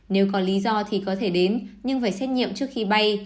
nếu có lý do thì có thể đến nhưng phải xét nghiệm trước khi bay